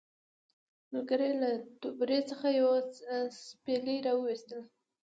ملګري یې له توبرې څخه یوه څپلۍ راوایستله.